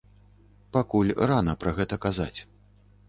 Пакуль рана пра гэта казаць.